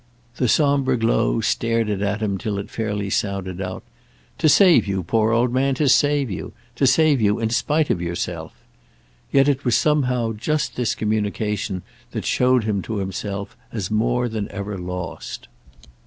The sombre glow stared it at him till it fairly sounded out—"to save you, poor old man, to save you; to save you in spite of yourself." Yet it was somehow just this communication that showed him to himself as more than ever lost.